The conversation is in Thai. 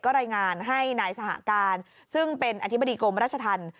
รายงานให้นายสหการซึ่งเป็นอธิบดีกรมราชธรรม